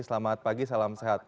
selamat pagi salam sehat